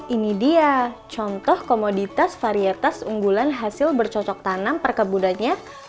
ini dia contoh komoditas varietas unggulan hasil bercocok tanam perkebunannya